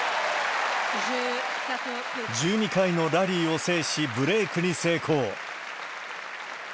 １２回のラリーを制し、ブレークに成功。